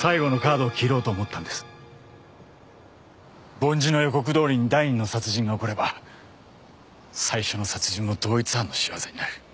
梵字の予告どおりに第２の殺人が起これば最初の殺人も同一犯の仕業になる。